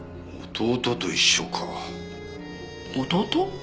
弟？